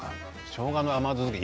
しょうがの甘酢漬け